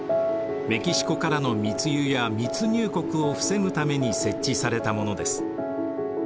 メキシコからの密輸や密入国を防ぐために設置されたものです。